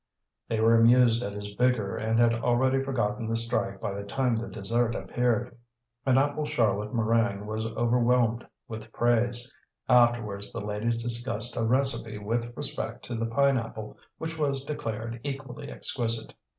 They were amused at his vigour and had already forgotten the strike by the time the dessert appeared. An apple charlotte meringue was overwhelmed with praise. Afterwards the ladies discussed a recipe with respect to the pineapple which was declared equally exquisite.